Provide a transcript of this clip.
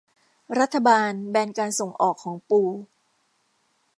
รัฐบาลแบนการส่งออกของปู